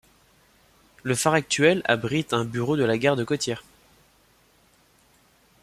Le phare actuel abrite un bureau de la garde côtière.